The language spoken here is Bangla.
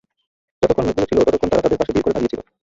যতক্ষণ লোকগুলো ছিল, ততক্ষণ তারা তাদের পাশে ভিড় করে দাঁড়িয়ে ছিল।